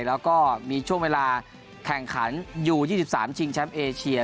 แล้วก็มีช่วงเวลาแข่งขันยู๒๓ชิงแชมป์เอเชีย